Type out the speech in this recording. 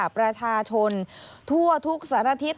ประชาชนทั่วทุกสันอาทิตย์